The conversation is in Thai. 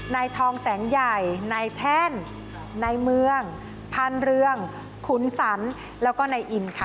ในทองแสงใหญ่ในแท่นในเมืองพันเรืองขุนสรรแล้วก็ในอินค่ะ